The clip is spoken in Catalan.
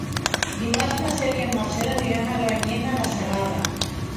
Dimarts na Cel i en Marcel aniran a Granyena de Segarra.